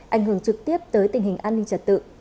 ảnh hưởng trực tiếp tới tình hình an ninh trật tự